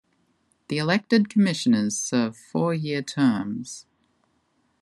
The elected commissioners serve four-year terms.